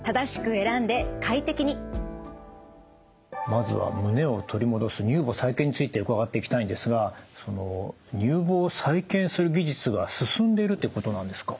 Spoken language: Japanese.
まずは胸を取り戻す乳房再建について伺っていきたいんですがその乳房再建する技術が進んでるってことなんですか？